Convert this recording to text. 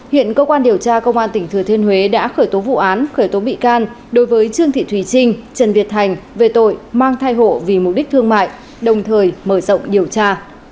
hiện cơ quan điều tra công an tỉnh thừa thiên huế đã khởi tố vụ án khởi tố bị can đối với trương thị thùy trinh trần việt thành về tội mang thai hộ vì mục đích thương mại đồng thời mở rộng điều tra